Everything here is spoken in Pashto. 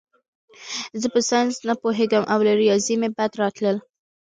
زه په ساینس نه پوهېږم او له ریاضي مې بد راتلل